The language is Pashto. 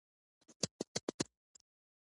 نادره ځمکنۍ عناصر ډیر لوړ قیمت لري.